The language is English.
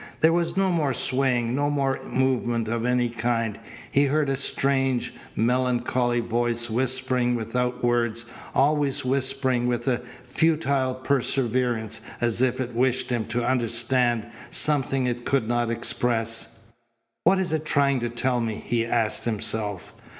There was no more swaying, no more movement of any kind. He heard a strange, melancholy voice, whispering without words, always whispering with a futile perseverance as if it wished him to understand something it could not express. "What is it trying to tell me?" he asked himself.